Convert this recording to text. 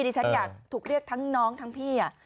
ที่ฉันอยากถูกเรียกทั้งน้องทั้งพี่